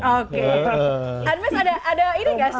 oke anmes ada ini gak sih